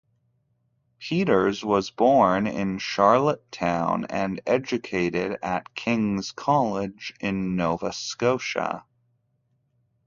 Peters was born in Charlottetown and educated at King's College in Nova Scotia.